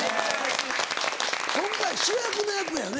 今回主役の役やよね